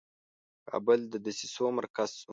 کابل د دسیسو مرکز شو.